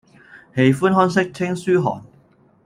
喜欢看色情书刊。